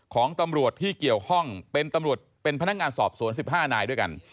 ของตำรวจที่เกี่ยวข้องเป็นตำรวจเป็นพนักงานสอบสวน๑๕นายด้วยกัน